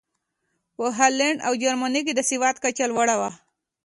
په هالنډ او جرمني کې د سواد کچه لوړه وه.